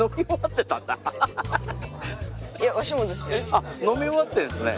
あっ飲み終わってるんすね。